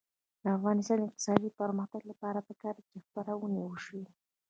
د افغانستان د اقتصادي پرمختګ لپاره پکار ده چې څېړنې وشي.